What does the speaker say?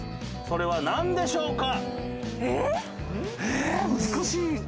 それは何でしょうか？